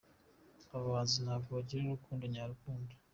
Abahanzi ntago bagira urukundo nyarukundo